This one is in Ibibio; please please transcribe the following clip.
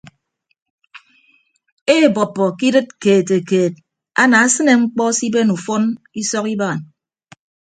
Eebọppọ ke idịt keetekeet anaasịne ñkpọ siben ufọn isọk ibaan.